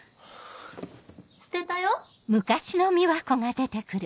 捨てたよ